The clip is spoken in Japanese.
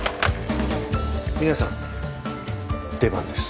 皆さん出番です。